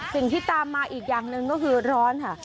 สิ่งที่ตามมาอีกอย่างหนึ่งก็คือร้อนค่ะ